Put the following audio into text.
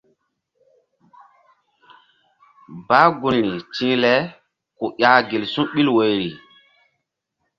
Bah gunri ti̧h le ku ƴah gel su̧ɓil woyri.